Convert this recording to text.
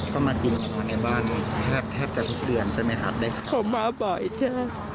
เขามากินมานอนในบ้านแทบจากทุกเรือนใช่ไหมครับได้เขามาบ่อยจ้ะ